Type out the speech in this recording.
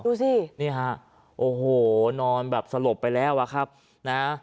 ดูสินี่ฮะโอ้โหนอนแบบสลบไปแล้วอะครับนะ